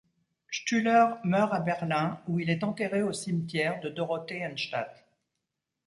Stüler meurt à Berlin, où il est enterré au cimetière de Dorotheenstadt.